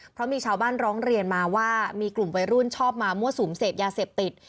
เพราะมีชาวบ้านร้องเรียนมาว่ามีกลุ่มวัยรุ่นชอบมามั่วสุมเสพยาเสพติด